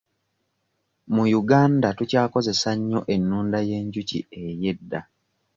Mu Uganda tukyakozesa nnyo ennunda y'enjuki ey'edda.